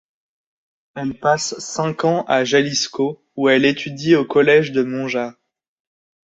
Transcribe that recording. Elle passe cinq ans à Jalisco où elle étudie au collège de Monjas.